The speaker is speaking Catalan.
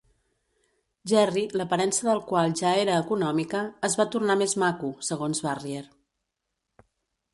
Jerry, l'aparença del qual ja era econòmica, es va tornar més maco, segons Barrier.